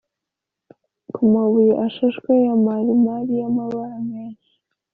ku mabuye ashashwe ya marimari y’amabara menshi